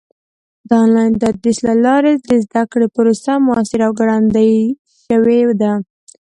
د آنلاین تدریس له لارې د زده کړې پروسه موثره او ګړندۍ شوې ده.